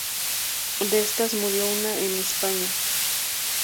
De estas murió una en España.